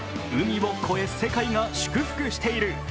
海を越え世界が祝福している。